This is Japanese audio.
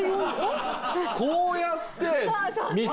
こうやって。